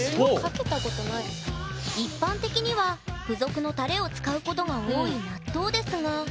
一般的には付属のタレを使うことが多い納豆ですが。